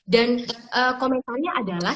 dan komentarnya adalah